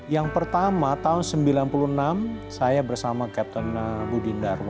yang pertama tahun seribu sembilan ratus sembilan puluh enam saya bersama captain budindarwa